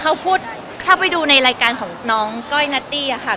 เขาพูดถ้าไปดูในรายการของน้องก้อยนัตตี้อะค่ะ